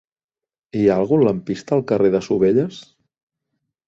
Hi ha algun lampista al carrer de Sovelles?